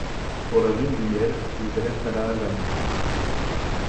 Pour leur lune de miel, ils allèrent à la Havane.